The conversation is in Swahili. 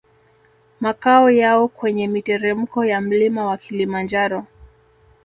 Makao yao kwenye miteremko ya mlima wa Kilimanjaro